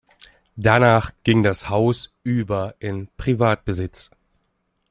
Danach ging das Haus über in Privatbesitz.